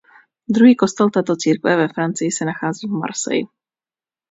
Druhý kostel této církve ve Francii se nachází v Marseille.